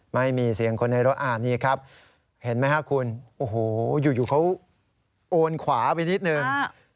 ไม่มีเสียงคนในรถอ่านนี่ครับเห็นไหมครับคุณโอ้โหอยู่เขาโอนขวาไปนิดนึง